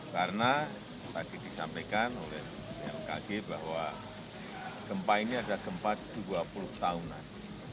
karena tadi disampaikan oleh mkg bahwa gempa ini ada gempa dua puluh tahunan